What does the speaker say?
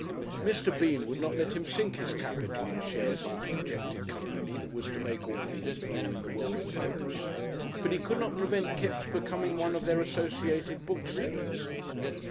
Mr. Bean would not let him sink his capital in shares in its projected company that was to make all things new in the world of books, but he could not prevent Kipps becoming one of their associated booksellers.